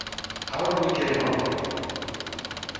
How are we getting on?.